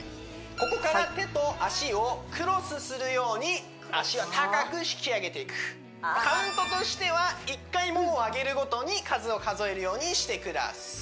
ここから手と脚をクロスするように脚は高く引き上げていくカウントとしては１回ももを上げるごとに数を数えるようにしてください